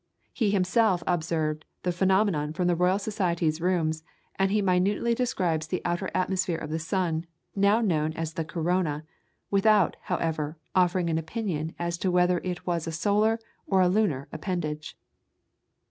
He himself observed the phenomenon from the Royal Society's rooms, and he minutely describes the outer atmosphere of the sun, now known as the corona; without, however, offering an opinion as to whether it was a solar or a lunar appendage.